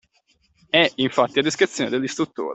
È, infatti, a discrezione dell’istruttore